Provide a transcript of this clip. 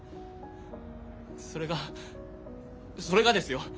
それがそれがですよ